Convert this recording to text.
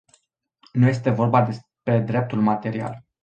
Nu este vorba despre dreptul material.